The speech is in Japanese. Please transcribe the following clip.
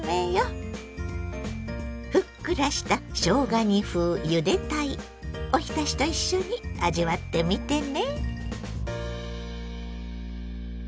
ふっくらしたしょうが煮風ゆで鯛おひたしと一緒に味わってみてね。